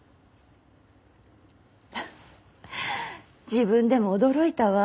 自分でも驚いたわ。